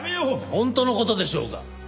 本当の事でしょうが。